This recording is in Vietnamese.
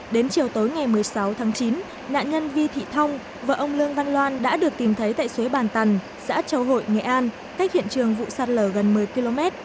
đến chiều tối ngày một mươi sáu tháng chín nạn nhân vi thị thông vợ ông lương văn loan đã được tìm thấy tại suối bàn tần xã châu hội nghệ an cách hiện trường vụ sạt lở gần một mươi km